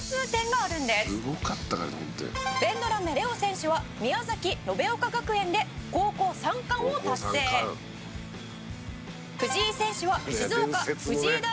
「ベンドラメ礼生選手は宮崎延岡学園で高校３冠を達成」「高校３冠」「藤井選手は静岡藤枝